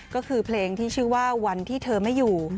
ก็คือเพลงที่ชื่อว่าวันที่เธอไม่อยู่